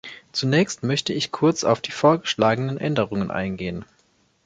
Zunächst möchte ich kurz auf die vorgeschlagenen Änderungen eingehen.